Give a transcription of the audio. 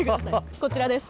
こちらです。